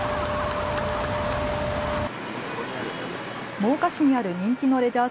真岡市にある人気のレジャー